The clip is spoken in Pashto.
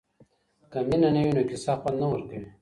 که مینه نه وي نو کیسه خوند نه ورکوي.